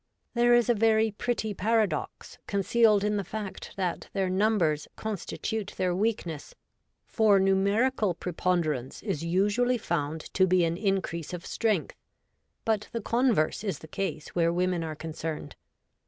There is a very pretty paradox concealed in the fact that their num bers constitute their weakness, for numerical pre ponderance is usually found to be an increase of strength ; but the converse is the case where women are concerned.